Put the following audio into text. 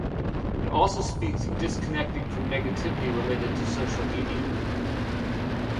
It also speaks of disconnecting from negativity related to social media.